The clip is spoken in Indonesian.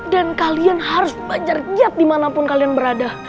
dan kalian harus belajar jad dimanapun kalian berada